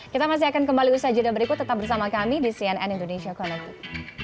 kita masih akan kembali usaha jadwal berikut tetap bersama kami di cnn indonesia connected